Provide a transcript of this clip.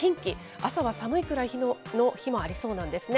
朝は寒いくらいの日もありそうなんですね。